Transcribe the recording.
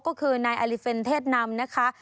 ก็คือนายอลิเฟนเทศนำนะคะ